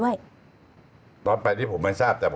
อยู่ครับ